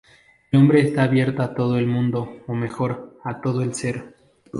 El hombre está abierto a todo el mundo, o mejor, a todo el ser.